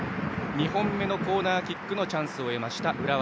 ２本目のコーナーキックのチャンスを得た浦和。